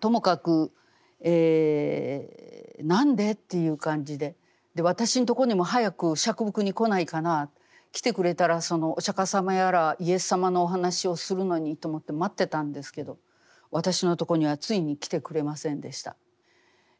ともかく何で？という感じで私のところにも早く折伏に来ないかな来てくれたらお釈迦様やらイエス様のお話をするのにと思って待ってたんですけど私のところにはついに来てくれませんでした。